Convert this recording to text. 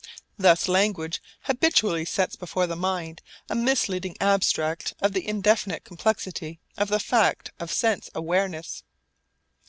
Thus language habitually sets before the mind a misleading abstract of the indefinite complexity of the fact of sense awareness.